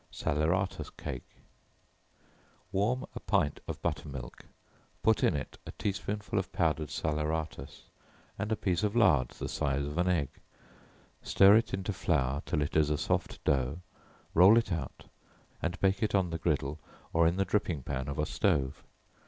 Salaeratus Cake. Warm a pint of butter milk, put in it a tea spoonful of powdered salaeratus, and a piece of lard the size of an egg; stir it into flour till it is a soft dough; roll it out, and bake it on the griddle, or in the dripping pan of a stove.